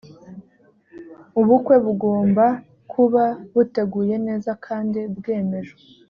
ubukwe bugomba kuba buteguye neza kandi bwemejwe